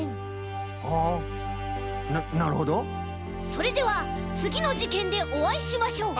それではつぎのじけんでおあいしましょう。